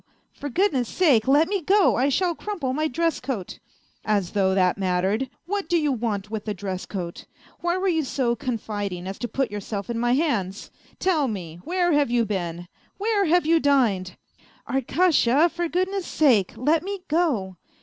For goodness sake, let me go, I shall crumple my dress coat !"" As though that mattered ! What do you want with a dress coat ? Why were you so confiding as to put yourself in my hands ? Tell me, where have you been ? Where have you dined ?"" Arkasha, for goodness sake, let me go